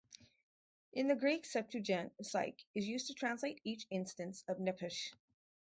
In the Greek Septuagent psyche is used to translate each instance of nephesh.